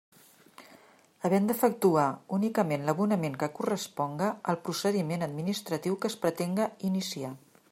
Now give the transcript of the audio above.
Havent d'efectuar únicament l'abonament que corresponga al procediment administratiu que es pretenga iniciar.